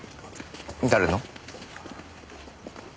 誰の？